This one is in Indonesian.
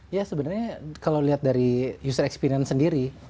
ya sebenarnya kalau lihat dari user experience sendiri